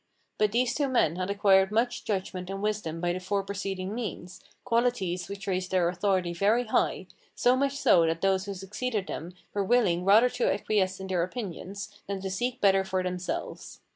But these two men had acquired much judgment and wisdom by the four preceding means, qualities which raised their authority very high, so much so that those who succeeded them were willing rather to acquiesce in their opinions, than to seek better for themselves.